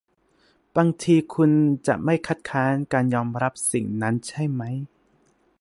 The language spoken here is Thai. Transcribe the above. บางทีคุณจะไม่คัดค้านการยอมรับสิ่งนั้นใช่มั้ย